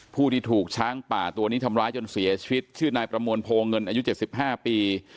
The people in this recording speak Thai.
ผู้ที่ถูกช้างป่าตัวนี้ทำร้ายจนเสียชีวิตชื่อนายประมวลโพเงินอายุ๗๕ปี